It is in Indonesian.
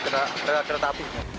rel kereta api